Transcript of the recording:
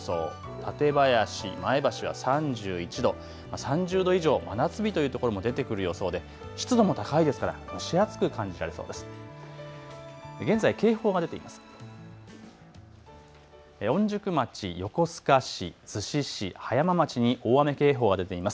館林、前橋は３１度、３０度以上、真夏日というところも出てくる予想で湿度も高いですから蒸し暑く感じられそうです。